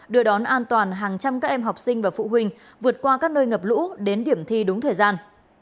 đưa đón an toàn hàng trăm các em học sinh và phụ huynh vượt qua các nơi ngập lũ đến điểm thi đúng thời gian